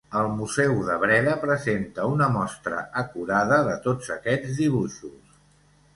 El museu de Breda presenta una mostra acurada de tots aquests dibuixos.